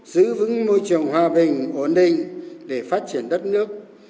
giữ vững môi trường hòa bình ổn định để phát triển đất nước